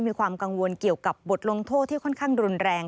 มีความกังวลเกี่ยวกับบทลงโทษที่ค่อนข้างรุนแรง